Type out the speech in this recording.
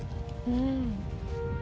「うん」